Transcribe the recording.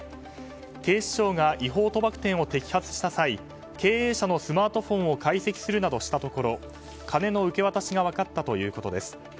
警視庁が違法賭博店を摘発した際経営者のスマートフォンを解析するなどしたところ金の受け渡しが分かったということです。